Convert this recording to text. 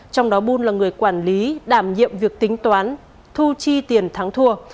trong đó bul là người quản lý đảm nhiệm việc tính toán thu chi tiền thắng thua